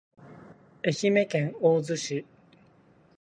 愛媛県大洲市